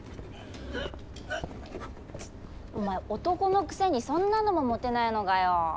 お前男のくせにそんなのも持てないのかよ。